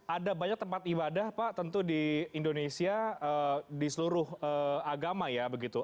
ada banyak tempat ibadah pak tentu di indonesia di seluruh agama ya begitu